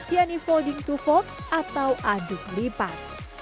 yaitu folding to fold atau aduk lipat